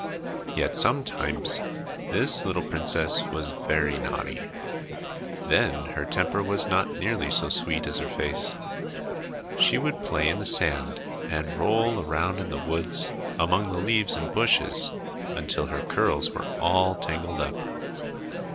Yet sometimes this little princess was very naughty. Then her temper was not nearly so sweet as her face. She would play in the sand and roll around in the woods among the leaves and bushes until her curls were all tangled up.